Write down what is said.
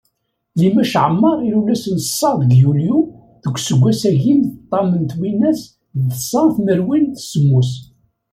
Laymac Aɛmaṛ, ilul ass n ṣa deg yulyu, deg useggas, agim d ṭam twinas d tẓa tmerwin d semmus.